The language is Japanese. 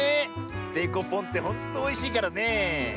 デコポンってほんとおいしいからねえ。